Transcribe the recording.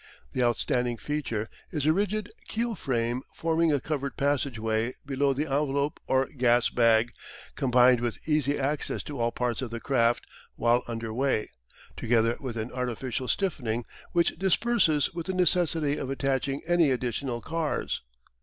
The outstanding feature is a rigid keel frame forming a covered passage way below the envelope or gas bag, combined with easy access to all parts of the craft while under way, together with an artificial stiffening which dispenses with the necessity of attaching any additional cars.